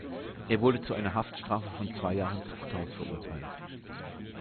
Er wurde zu einer Haftstrafe von zwei Jahren Zuchthaus verurteilt.